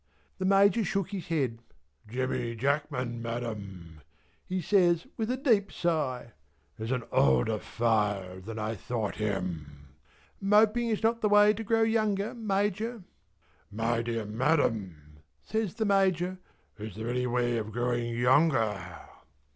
The Major shook his head. "Jemmy Jackman Madam," he says with a deep sigh, "is an older file than I thought him." "Moping is not the way to grow younger Major." "My dear Madam," says the Major, "is there any way of growing younger?"